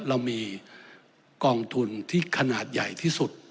เรามีกองทุนที่ขนาดใหญ่ที่สุด